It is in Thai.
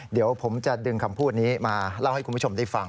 เดี๋ยวผมจะดึงคำพูดนี้มาเล่าให้คุณผู้ชมได้ฟัง